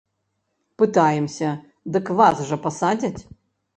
Пытаемся, дык вас жа пасадзяць?!